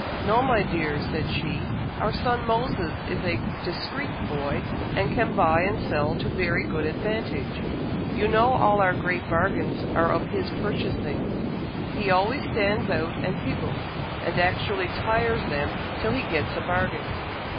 "No, my dear," said she, "our son Moses is a discreet boy and can buy and sell to very good advantage; you know all our great bargains are of his purchasing. He always stands out and higgles, and actually tires them till he gets a bargain."